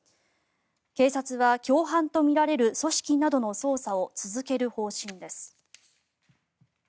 警察は共犯とみられる組織などの捜査を続ける方針です。